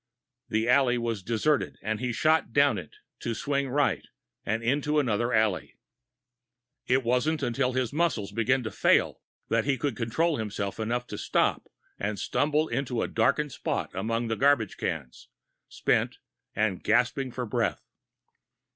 The alley was deserted, and he shot down it, to swing right, and into another alley. It wasn't until his muscles began to fail that he could control himself enough to stop and stumble into a darkened spot among the garbage cans, spent and gasping for breath.